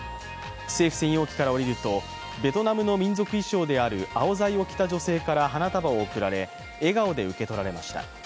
政府専用機から降りると、ベトナムの民族衣装であるアオザイをきた女性から花束を贈られ、笑顔で受け取られました。